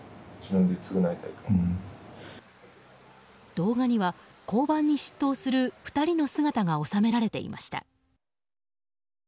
動画には交番に出頭する２人の姿が収められていました。